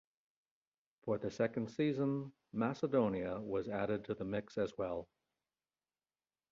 For the second season, Macedonia was added to the mix as well.